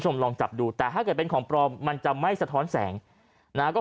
ลองจับดูแต่ถ้าเกิดเป็นของปลอมมันจะไม่สะท้อนแสงนะฮะก็